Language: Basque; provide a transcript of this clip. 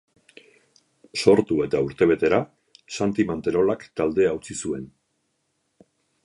Sortu eta urtebetera, Santi Manterolak taldea utzi zuen.